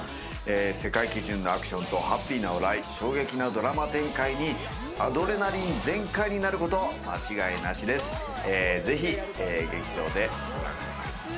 世界基準のアクションとハッピーな笑い、衝撃のドラマ展開にアドレナリン全開になること間違いなしです。